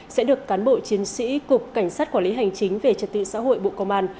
sẽ được cán bộ chiến sĩ cục cảnh sát quản lý hành chính về trật tự xã hội bộ công an